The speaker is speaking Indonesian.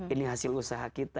ini hasil usaha kita